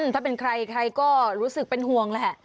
ถ้าเป็นใครใครก็รู้สึกเป็นห่วงแหละ